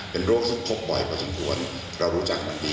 เป็นโรคที่พบบ่อยกว่าจนกวนเรารู้จักมันดี